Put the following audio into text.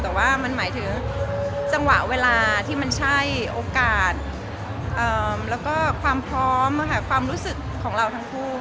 แต่ว่ามันหมายถึงจังหวะเวลาที่มันใช่โอกาสแล้วก็ความพร้อมความรู้สึกของเราทั้งคู่